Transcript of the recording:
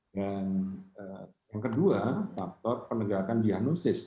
dan yang kedua faktor penegakan diagnosis